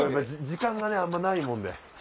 時間がねあんまないもんで。